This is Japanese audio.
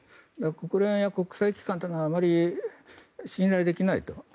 国連や国際機関というのはあまり信頼できないと。